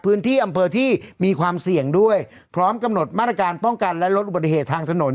พื้นที่อำเภอที่มีความเสี่ยงด้วยพร้อมกำหนดมาตรการป้องกันและลดอุบัติเหตุทางถนน